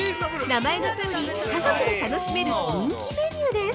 名前のとおり、家族で楽しめる人気メニューです。